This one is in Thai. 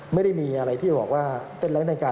ไม่ได้มีอะไรที่จะบอกว่าเต้นแรงกาย